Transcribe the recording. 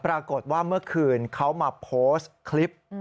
ปรากฏว่าเมื่อคืนเขามาโพสต์คลิป